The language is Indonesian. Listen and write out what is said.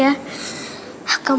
kamu harus banyak makannya